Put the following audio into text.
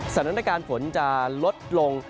สถานการณ์ฝนจะลดลง